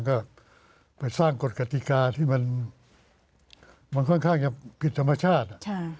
ก็สร้างกฎกฎิกาที่ค่อนข้างยังผิดธรรมชาติ